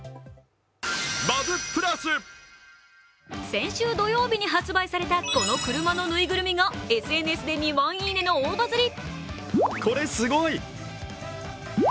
先週土曜日に発売された、この車のぬいぐるみがＳＮＳで２万いいねの大バズり。